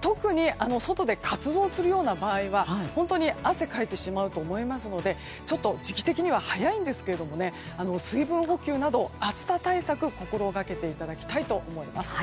特に外で活動するような場合は本当に汗かいてしまうと思いますのでちょっと時期的には早いんですけれども水分補給など暑さ対策を心がけていただきたいと思います。